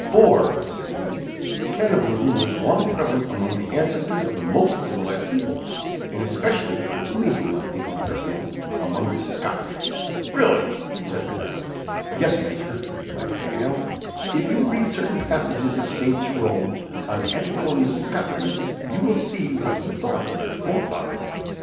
"For," said he, "cannibalism was long prevalent among the ancestors of the most civilized people, and especially (if the Major will not think me personal) among the Scotch." "Really," said McNabbs. "Yes, Major," replied Paganel. "If you read certain passages of Saint Jerome, on the Atticoli of Scotland, you will see what he thought of your forefathers.